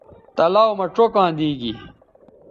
آ تلاؤ مہ چوکاں دی گی